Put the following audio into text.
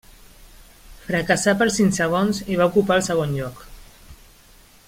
Fracassà per cinc segons i va ocupar el segon lloc.